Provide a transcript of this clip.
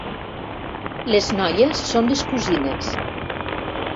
Les noies són les cosines.